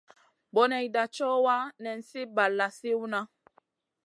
Boneyda co wa, nan sli balla sliwna.